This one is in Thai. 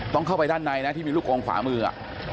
ต้องเข้าไปด้านในนะที่มีลูกกงขวามือ